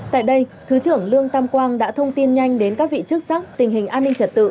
tại đây thứ trưởng lương tam quang đã thông tin nhanh đến các vị chức sắc tình hình an ninh trật tự